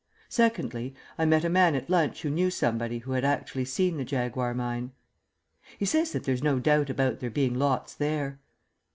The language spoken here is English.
Secondly, I met a man at lunch who knew somebody who had actually seen the Jaguar Mine. "He says that there's no doubt about there being lots there."